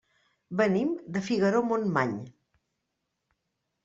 Venim de Figaró-Montmany.